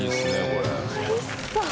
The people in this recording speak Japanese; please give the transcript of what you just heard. おいしそう！